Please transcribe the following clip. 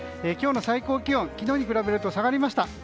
今日の最高気温昨日に比べると下がりました。